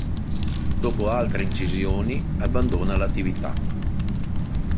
Dopo altre incisioni abbandona l'attività.